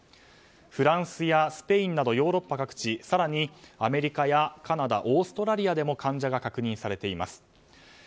フランスやスペインなどヨーロッパ各地更にアメリカやカナダオーストラリアでも患者が確認されています。